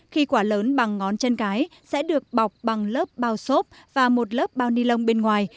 khi quả lớn bằng ngón chân cái sẽ được bọc bằng lớp bao sốt và một lớp bao nilon bên ngoài